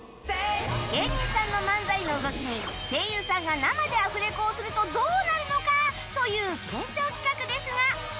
芸人さんの漫才の動きに声優さんが生でアフレコをするとどうなるのか？という検証企画ですが